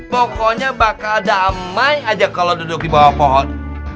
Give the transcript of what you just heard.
pokoknya bakal damai aja kalau duduk di bawah pohon